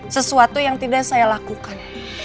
sesuatu yang tidak saya lakukan